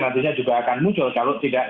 nantinya juga akan muncul kalau tidak